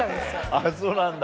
あっそうなんだ。